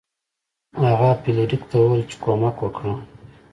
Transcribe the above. هغه فلیریک ته وویل چې کومک وکړه.